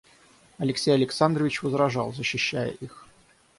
Алексей Александрович возражал, защищая их.